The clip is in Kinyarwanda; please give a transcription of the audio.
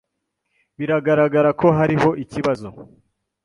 Biragaragara ko hariho ikibazo.